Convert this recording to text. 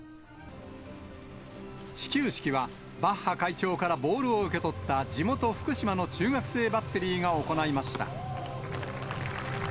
始球式は、バッハ会長からボールを受け取った地元、福島の中学生バッテリーが行いました。